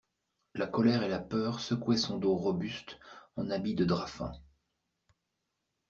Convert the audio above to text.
La colère et la peur secouaient son dos robuste en habit de drap fin.